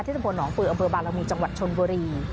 ที่สมมุติน้องปืนอเบอร์บารามีจังหวัดชนบรี